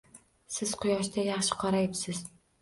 Siz quyoshda yaxshi qorayibsiz